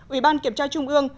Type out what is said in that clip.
ủy ban kiểm tra trung ương